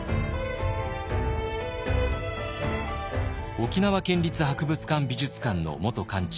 沖縄県立博物館・美術館の元館長